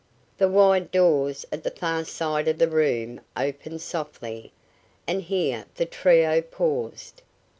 The wide doors at the far side of the room opened softly, and here the trio paused.